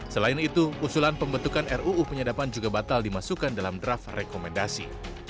selain itu usulan pembentukan ruu penyadapan juga batal dimasukkan dalam draft rekomendasi